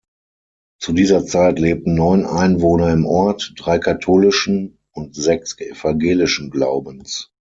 Zu dieser Zeit lebten neun Einwohner im Ort, drei katholischen und sechs evangelischen Glaubens.